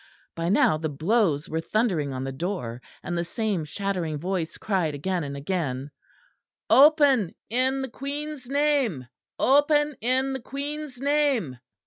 By now the blows were thundering on the door; and the same shattering voice cried again and again: "Open in the Queen's name; open in the Queen's name!"